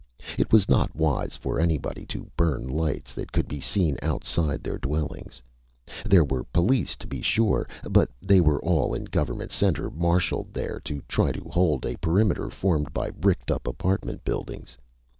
It was not wise for anybody to burn lights that could be seen outside their dwellings. There were police, to be sure. But they were all in Government Center, marshaled there to try to hold a perimeter formed by bricked up apartment buildings.